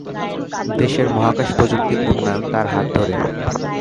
দেশের মহাকাশ প্রযুক্তির উন্নয়ন তার হাত ধরে।